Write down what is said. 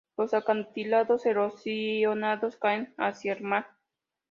Los acantilados erosionados caen hacia el mar.